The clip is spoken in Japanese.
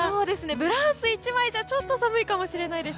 ブラウス１枚じゃちょっと寒いかもしれないです。